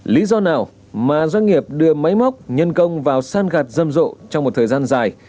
lý do nào mà doanh nghiệp đưa máy móc nhân công vào san gạt râm rộ trong một thời gian dài